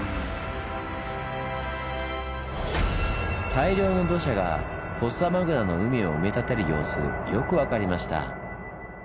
大量の土砂がフォッサマグナの海を埋め立てる様子よく分かりました。